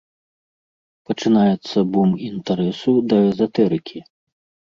Пачынаецца бум інтарэсу да эзатэрыкі.